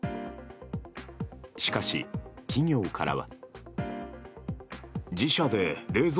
しかし、企業からは。